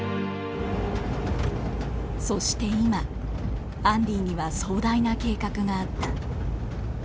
そして今アンディには壮大な計画があった。